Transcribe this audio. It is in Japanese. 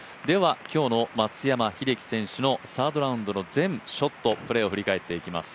今日の松山英樹選手のサードラウンドの全ショット、プレーを振り返っていきます。